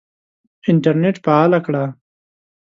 انټرنېټ فعاله کړه !